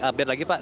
update lagi pak